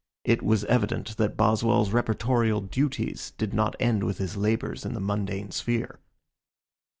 It was evident that Boswell's reportorial duties did not end with his labors in the mundane sphere.